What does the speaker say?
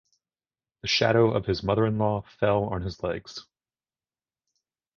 The shadow of his mother-in-law fell on his legs.